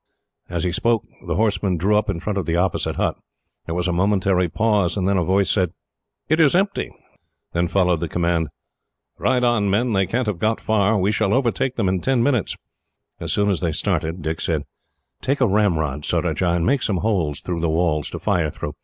As he spoke, the horsemen drew up in front of the opposite hut. There was a momentary pause, and then a voice said: "It is empty." Then followed the command: "Ride on, men. They can't have got very far. We shall overtake them in ten minutes." As soon as they started, Dick said: "Take a ramrod, Surajah, and make some holes through the walls, to fire through.